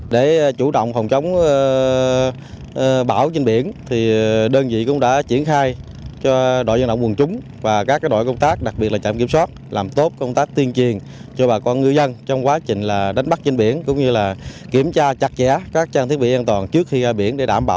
để chủ động phòng chống bão trên biển đơn vị cũng đã triển khai cho đội viên động quân chúng và các đội công tác đặc biệt là trạm kiểm soát làm tốt công tác tiên triền cho bà con ngư dân trong quá trình đánh bắt trên biển cũng như kiểm tra chặt chẽ